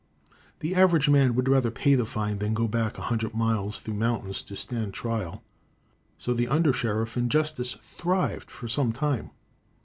The average man would rather pay the fine than go back a hundred miles through the mountains to stand trial, so the under sheriff and justice thrived for some time.